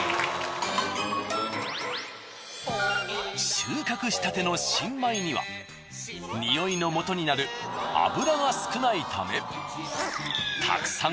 収穫したての新米には臭いの素になる脂が少ないため。